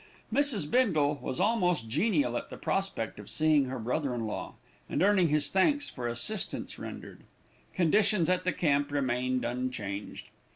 Mrs. Bindle was almost genial at the prospect of seeing her brother in law, and earning his thanks for assistance rendered. Conditions at the camp remained unchanged.